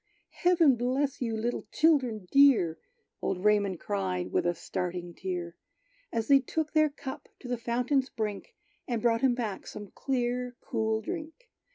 "Heaven bless you, little children dear!" Old Raymond cried, with a starting tear, As they took their cup to the fountain's brink, And brought him back some clear, cool drink.